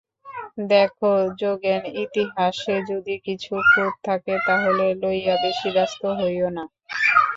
দেখো যোগেন, ইতিহাসে যদি কিছু খুঁত থাকে তাহা লইয়া বেশি ব্যস্ত হইয়ো না।